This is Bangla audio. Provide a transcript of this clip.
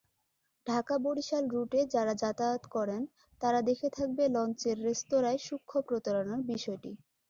ঢাকা-বরিশাল রুটে যারা যাতায়াত করে, তারা দেখে থাকবে লঞ্চের রেস্তোরাঁয় সূক্ষ্ম প্রতারণার বিষয়টি।